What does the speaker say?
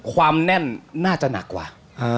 ความแน่นน่าจะหนักกว่า